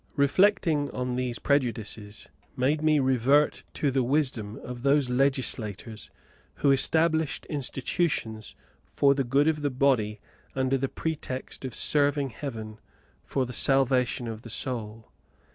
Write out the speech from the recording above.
Reflecting on these prejudices made me revert to the wisdom of those legislators who established institutions for the good of the body under the pretext of serving heaven for the salvation of the soul.